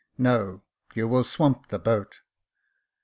"No ; you will swamp the boat."